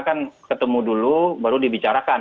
kan ketemu dulu baru dibicarakan